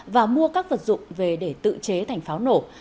và mua các vật dụng về để tự chế thành pháo nổ